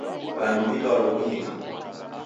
W'andu w'idwalo w'unyika